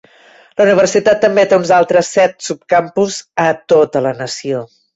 La universitat també té uns altres set subcampus a tota la nació.